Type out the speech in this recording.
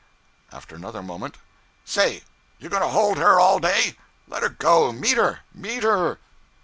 After another moment 'Say! You going to hold her all day? Let her go meet her! meet her!'